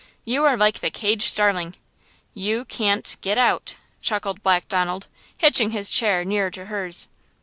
You are like the caged starling! You can't–get–out!" chuckled Black Donald, hitching his chair nearer to hers.